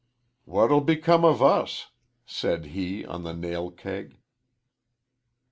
"What 'll become of us?" said he on the nail keg.